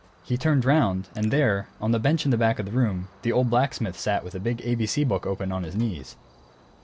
He turned round, and there, on the bench in the back of the room, the old blacksmith sat with a big ABC book open on his knees.